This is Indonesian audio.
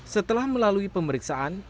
setelah melalui pemeriksaan